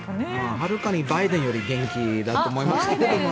はるかにバイデンより元気だと思いますけどね。